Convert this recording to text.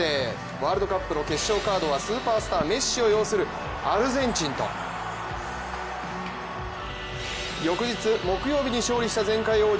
ワールドカップの決勝カードはスーパースター、メッシを擁するアルゼンチンと翌日、木曜日に勝利した前回王者